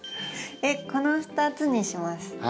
この２つにします。